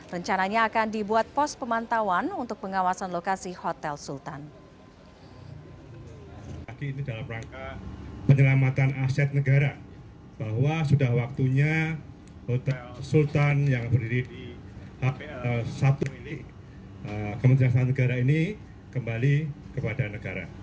rencananya akan dibuat pos pemantauan untuk pengawasan lokasi hotel sultan